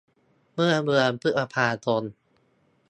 เมื่อเดีอนพฤษภาคม